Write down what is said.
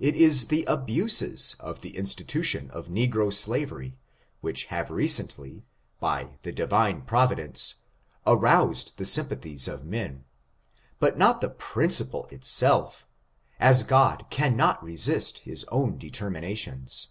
It is the abuses of the institution of negro sla very, which have recently, by the Divine Providence, aroused the sympathies of men, but not the principle itself^ as God cannot resist his own determinations.